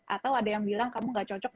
atau ada yang bilang kamu gak cocok